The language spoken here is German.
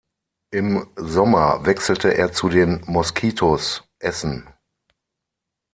Im Sommer wechselte er zu den Moskitos Essen.